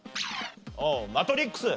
ああマトリックス。